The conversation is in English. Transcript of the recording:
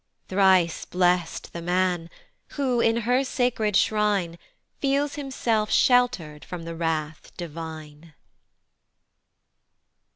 Thrice blest the man, who, in her sacred shrine, Feels himself shelter'd from the wrath divine!